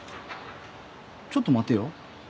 ちょっと待てよ。